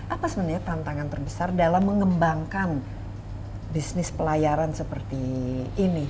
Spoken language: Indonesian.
apa sebenarnya tantangan terbesar dalam mengembangkan bisnis pelayaran seperti ini